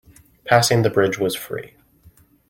Passing the bridge was free.